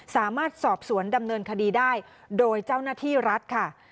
สามารถสอบสวนดำเนินคดีได้โดยเจ้าหน้าที่รัฐค่ะ